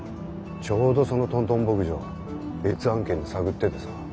ちょうどそのトントン牧場別案件で探っててさ